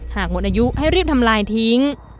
หากหมดอายุให้รีบทำลายทิ้ง